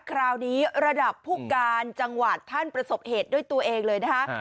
คราวนี้ระดับผู้การจังหวัดท่านประสบเหตุด้วยตัวเองเลยนะคะ